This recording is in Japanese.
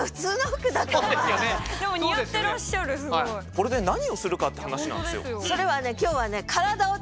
これで何をするかって話なんですよ。